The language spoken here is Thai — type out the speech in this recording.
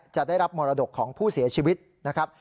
จะได้รับมรดกของผู้เสียชีวิตนะครับ